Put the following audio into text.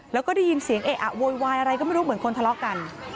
แล้วก็ได้ยินเสียงเอะอะโวยวายอะไรก็ไม่รู้เหมือนคนทะเลาะกัน